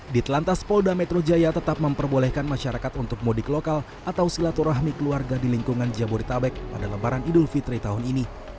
di telantas polda metro jaya tetap memperbolehkan masyarakat untuk mudik lokal atau silaturahmi keluarga di lingkungan jabodetabek pada lebaran idul fitri tahun ini